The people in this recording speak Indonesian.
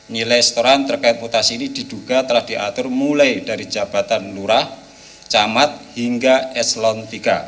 nilai setoran terkait mutasi ini diduga telah diatur mulai dari jabatan lurah camat hingga eselon iii